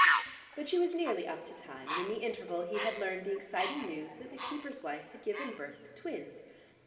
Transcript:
But she was nearly up to time, and in the interval he had learned the exciting news that the keeper's wife had given birth to twins.